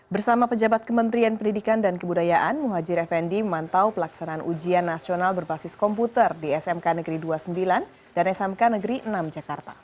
bersama pejabat kementerian pendidikan dan kebudayaan muhajir effendi memantau pelaksanaan ujian nasional berbasis komputer di smk negeri dua puluh sembilan dan smk negeri enam jakarta